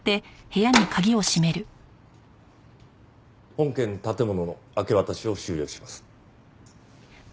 本件建物の明け渡しを終了します。